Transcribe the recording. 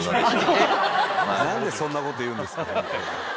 何でそんなこと言うんですか。